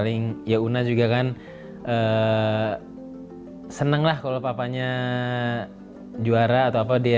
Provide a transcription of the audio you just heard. paling ya una juga kan seneng lah kalau papanya juara atau apa dia